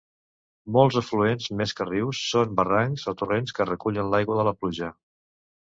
Molts afluents, més que rius, són barrancs o torrents que recullen l'aigua de la pluja.